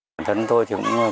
bản thân tôi cũng có thể nói rằng